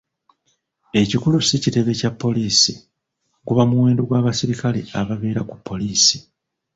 Ekikulu si kitebe kya poliisi, guba muwendo gwa basirikale ababeera ku poliisi.